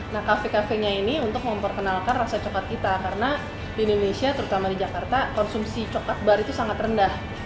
nah kafe kafenya ini untuk memperkenalkan rasa coklat kita karena di indonesia terutama di jakarta konsumsi coklat bar itu sangat rendah